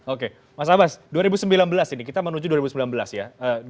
oke mas abbas dua ribu sembilan belas ini kita menuju dua ribu sembilan belas ya